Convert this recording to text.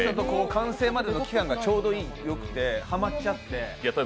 完成までの期間がちょうどよくてハマっちゃって。